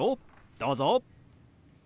どうぞ。